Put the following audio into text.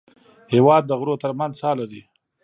هېواد د غرو تر منځ ساه لري.